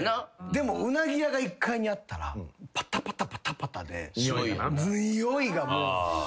でもうなぎ屋が１階にあったらパタパタパタパタでにおいがもう。